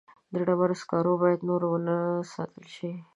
د ډبرو سکاره باید نور ونه ساتل شي.